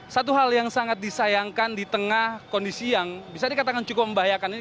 satu hal yang sangat disayangkan di tengah kondisi yang bisa dikatakan cukup membahayakan ini